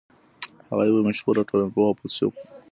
هغه يو مشهور ټولنپوه او فيلسوف و.